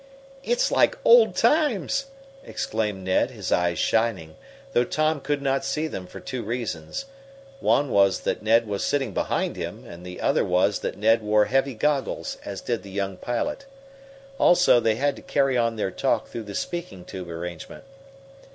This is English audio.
"It's like old times!" exclaimed Ned, his eyes shining, though Tom could not see them for two reasons. One was that Ned was sitting behind him, and the other was that Ned wore heavy goggles, as did the young pilot. Also, they had to carry on their talk through the speaking tube arrangement.